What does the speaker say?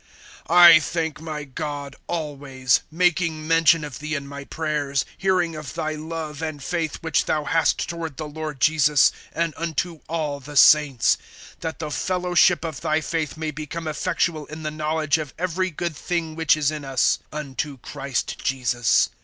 (4)I thank my God always, making mention of thee in my prayers, (5)hearing of thy love and faith, which thou hast toward the Lord Jesus, and unto all the saints; (6)that the fellowship of thy faith[1:6] may become effectual in the knowledge of every good thing which is in us, unto Christ Jesus.